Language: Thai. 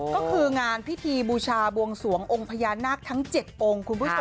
ก็คืองานพิธีบูชาบวงสวงองค์พญานาคทั้ง๗องค์คุณผู้ชม